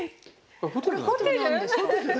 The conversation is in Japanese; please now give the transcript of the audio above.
これホテルなんですか？